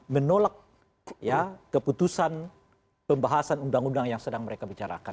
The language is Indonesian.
menolak keputusan pembahasan undang undang yang sedang mereka bicarakan